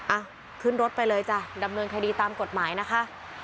อ่ะขึ้นรถไปเลยจ้ะดำเนินคดีตามกฎหมายนะคะ